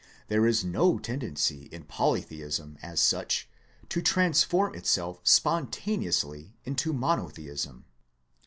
There is no tendency in poly theism as such to transform itself spontaneously into monotheism.